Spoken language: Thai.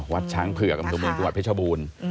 วัดช้างเผือกอำเภอเมืองจังหวัดเพชรบูรณ์